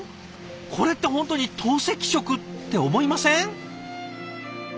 これって本当に透析食？って思いません？